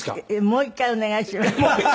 もう一回お願いします。